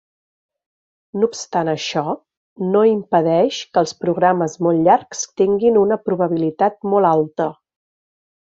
No obstant això, no impedeix que els programes molt llargs tinguin una probabilitat molt alta.